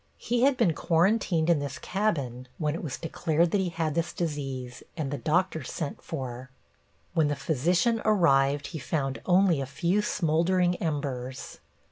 He had been quarantined in this cabin when it was declared that he had this disease and the doctor sent for. When the physician arrived he found only a few smoldering embers.